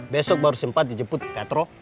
besok baru sempat dijemput katro